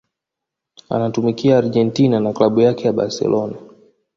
anatumikia Argentina na Klabu yake ya Barcelona